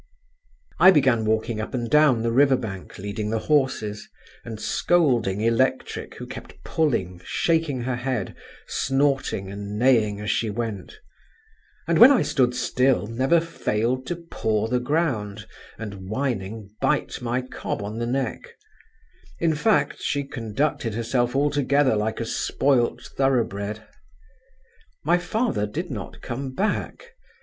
I began walking up and down the river bank, leading the horses, and scolding Electric, who kept pulling, shaking her head, snorting and neighing as she went; and when I stood still, never failed to paw the ground, and whining, bite my cob on the neck; in fact she conducted herself altogether like a spoilt thorough bred. My father did not come back.